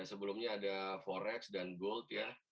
sebelumnya ada forex dan gold ya